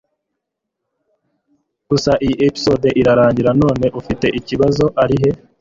gusa iyi episode irarangira none ufite ikibazo arihe